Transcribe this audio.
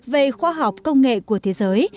về khoa học công nghệ của thế giới